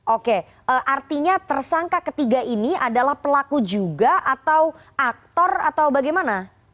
oke artinya tersangka ketiga ini adalah pelaku juga atau aktor atau bagaimana